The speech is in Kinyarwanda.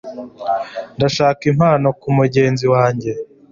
Ndashaka impano kumugenzi wanjye.